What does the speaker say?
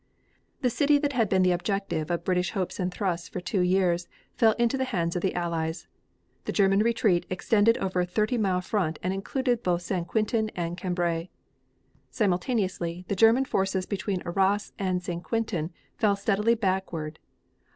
The city that had been the objective of British hopes and thrusts for two years, fell into the hands of the Allies. The German retreat extended over a thirty mile front and included both St. Quentin and Cambrai. Simultaneously the German forces between Arras and St. Quentin fell steadily backward.